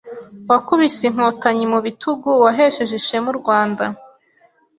Wakubise inkotanyi mu bitugu Wahesheje ishema u Rwanda.